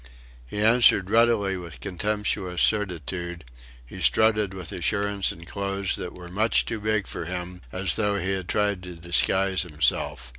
He answered readily with contemptuous certitude; he strutted with assurance in clothes that were much too big for him as though he had tried to disguise himself.